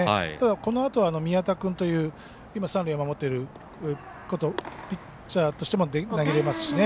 このあとは宮田君という今、三塁を守っているピッチャーとしても投げれますしね。